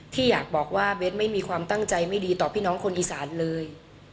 ที่อยากบอกว่าเบสไม่มีความตั้งใจไม่ดีต่อพี่น้องคนอีสานเลย